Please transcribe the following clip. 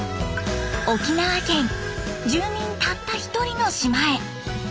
沖縄県住民たった１人の島へ！